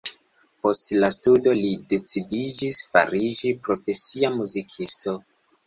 Post la studo li decidiĝis fariĝi profesia muzikisto.